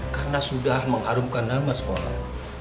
karena sudah mengharumkan nama sekolah